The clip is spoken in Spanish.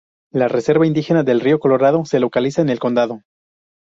La Reserva Indígena del Río Colorado, se localiza en el condado.